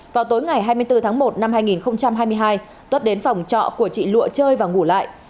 vào tối ngày hai mươi bốn tháng một năm hai nghìn hai mươi hai tuất đến phòng trọ của chị lụa chơi và ngủ lại